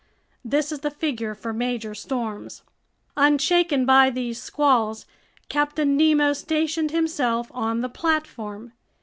This is the figure for major storms. Unshaken by these squalls, Captain Nemo stationed himself on the platform.